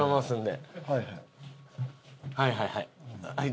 はいはいはい。